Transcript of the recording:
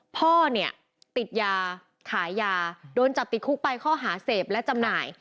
พ่อเนี่ยติดยาขายยาโดนจับติดคุกไปข้อหาเสพและจำหน่าย